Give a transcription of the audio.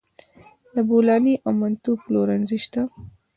د بولاني او منتو پلورنځي شته